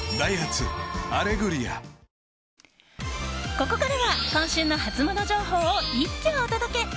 ここからは今週のハツモノ情報を一挙お届け。